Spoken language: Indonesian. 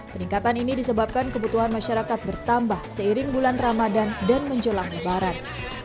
peningkatan ini disebabkan kebutuhan masyarakat bertambah seiring bulan ramadan dan menjelang lebaran